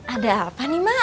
ada apa nih mak